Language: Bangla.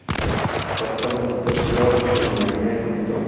সপ্তম গোত্রটি ছিল বিন ইয়ামীন-এর গোত্র।